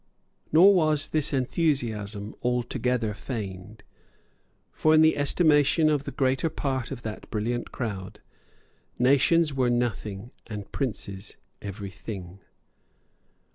Nor was this enthusiasm altogether feigned. For, in the estimation of the greater part of that brilliant crowd, nations were nothing and princes every thing.